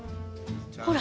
ほら。